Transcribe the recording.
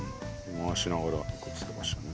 回しながらいくっつってましたね。